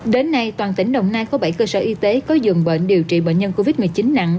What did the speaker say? đến nay toàn tỉnh đồng nai có bảy cơ sở y tế có dường bệnh điều trị bệnh nhân covid một mươi chín nặng